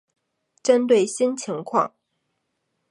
针对新情况